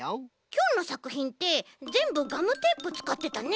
きょうのさくひんってぜんぶガムテープつかってたね。